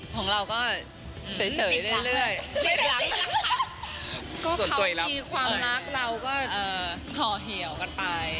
ของเราก็เฉยเรื่อยก็เขามีความรักเราก็ห่อเหี่ยวกันไป